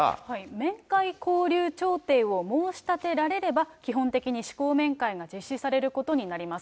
面会交流調停を申し立てられれば、基本的に試行面会が実施されることになります。